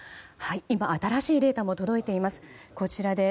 今、新しいデータも届いています。